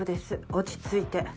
落ち着いて。